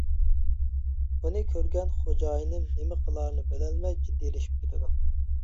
بۇنى كۆرگەن خوجايىنىم نېمە قىلارىنى بىلەلمەي جىددىيلىشىپ كېتىدۇ.